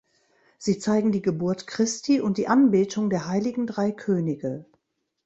Sie zeigen die Geburt Christi und die Anbetung der Heiligen drei Könige.